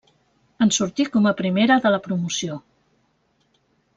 En sortí com a primera de la promoció.